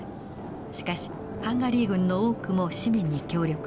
しかしハンガリー軍の多くも市民に協力。